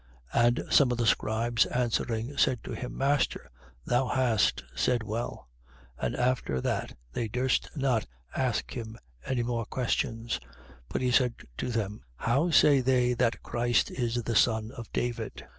20:39. And some of the scribes answering, said to him: Master, thou hast said well. 20:40. And after that they durst not ask him any more questions. 20:41. But he said to them: How say they that Christ is the son of David?